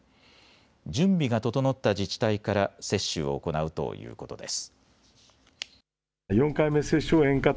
準備が整った自治体から接種を行うということです。